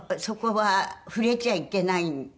そこは触れちゃいけない。